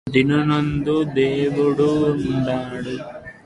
దీనులందు దేవదేవుడుండు